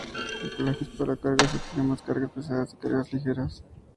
Anclajes para cargas extremas, cargas pesadas y cargas ligeras.